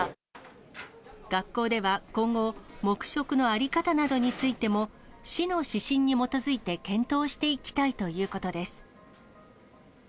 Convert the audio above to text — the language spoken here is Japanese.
学校では、今後、黙食の在り方などについても市の指針に基づいて検討していきたいということです。